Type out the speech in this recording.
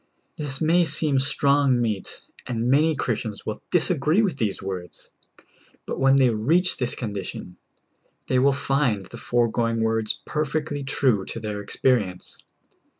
This ma}^ seem strong meat, and many Chris tians will disagree with these words, but when they reach this condition, they will find the foregoing words perfectly true to their experience.